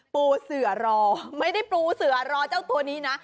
ปูเสือรอไม่ได้ปูเสือรอเจ้าตัวนี้นะ